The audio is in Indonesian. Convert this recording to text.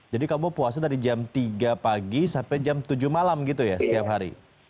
jadi kamu puasa dari jam tiga pagi sampai jam tujuh malam gitu ya setiap hari